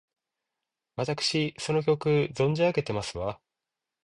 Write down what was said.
わたくしその曲、存じ上げてますわ！